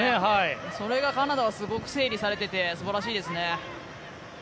それがカナダはすごく整理されてて素晴らしいです。